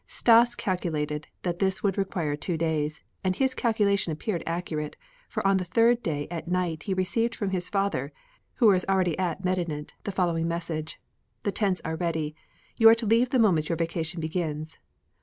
Stas calculated that this would require two days, and his calculation appeared accurate, for on the third day at night he received from his father, who was already at Medinet, the following message: "The tents are ready. You are to leave the moment your vacation begins.